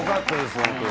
本当に。